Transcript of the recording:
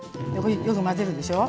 よく混ぜるでしょ。